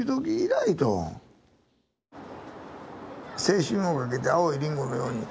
青春をかけて青いりんごのように。